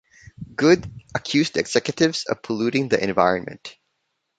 Good accused the executives of polluting the environment.